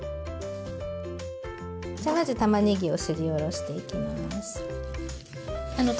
じゃまずたまねぎをすりおろしていきます。